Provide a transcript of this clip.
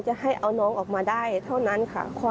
จะให้เอาน้องออกมาได้เท่านั้นค่ะ